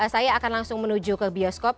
saya akan langsung menuju ke bioskop